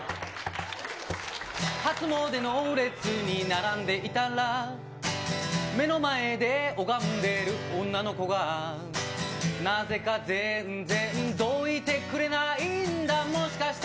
初詣の列に並んでいたら、目の前で拝んでる女の子が、なぜか全然どいてくれないんだ。